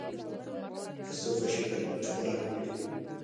پسه خوشی کړه چې خوراک وکړي.